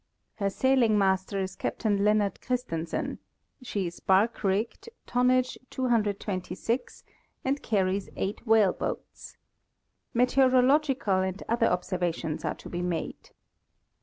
Her sailing master is Captain Leonard Christensen; she is barque rigged ; tonnage, 226, and carries eight whale boats. Meteorological and other observations are to be made.